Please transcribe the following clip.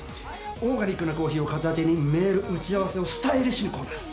オーガニックなコーヒーを片手にメール打ち合わせをスタイリッシュにこなす。